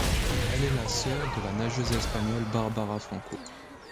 Elle est la sœur de la nageuse espagnole Bárbara Franco.